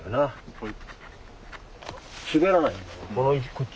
はい。